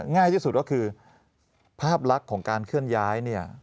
ง่ายที่สุดก็คือภาพลักษณ์ของการเคลื่อนย้ายเนี่ย